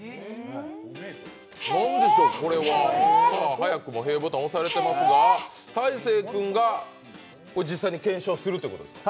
早くもへぇボタン押されてますが大晴君が実際に検証するということですか？